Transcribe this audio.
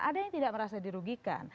ada yang tidak merasa dirugikan